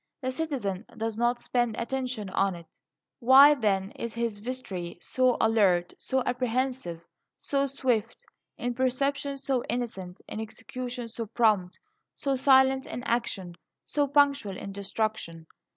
The citizen does not spend attention on it. Why, then, is his vestry so alert, so apprehensive, so swift; in perception so instant, in execution so prompt, so silent in action, so punctual in destruction?